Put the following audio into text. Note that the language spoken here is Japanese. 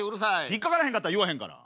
引っ掛からへんかったら言わへんから。